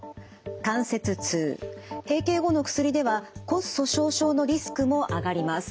関節痛閉経後の薬では骨粗しょう症のリスクも上がります。